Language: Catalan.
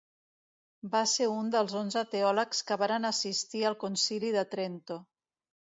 Va ser un dels onze teòlegs que varen assistir al Concili de Trento.